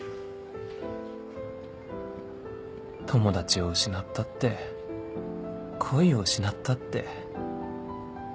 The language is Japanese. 友達を失ったって恋を失ったって